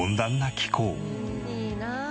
いいな。